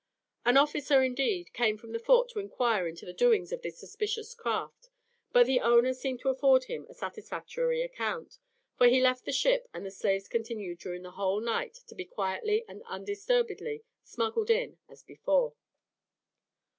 An officer, indeed, came from the fort to inquire into the doings of this suspicious craft; but the owner seemed to afford him a satisfactory account, for he left the ship, and the slaves continued during the whole night to be quietly and undisturbedly smuggled in as before.